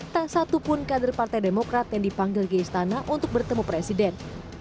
tak satupun kader partai demokrat yang dipanggil ke istana untuk bertemu presiden